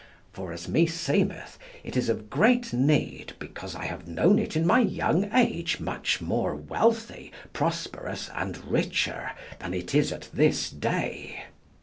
For, as me seemeth, it is of great need, because I have known it in my young age much more wealthy, prosperous, and richer, than it is at this day.